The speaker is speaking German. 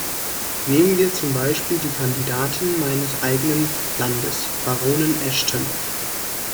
Nehmen wir zum Beispiel die Kandidatin meines eigenen Landes, Baronin Ashton.